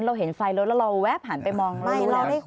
เราเห็นไฟรถแล้วเราแวะหันไปมองไล่